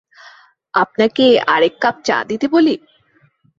আপনাকে আরেক কা চা দিতে বলি?